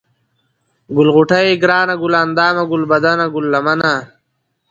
ګل غوټۍ ، گرانه ، گل اندامه ، گلبدنه ، گل لمنه ،